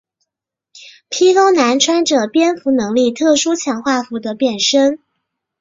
披风男穿着有蝙蝠能力特殊强化服的变身。